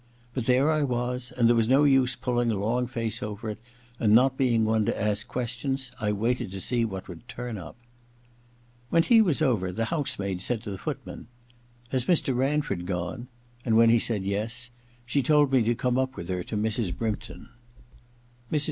But there 126 THE LADY'S MAID'S BELL i I was and there was no use pulling a long face over it ; and not being one to 3^ questions I waited to see what would turn up. When tea was over the house maid said to the footman :* Has Mr. Ranford gone ?' and when he said yes, she told me to come up with her to Mrs. Brympton. Mrs.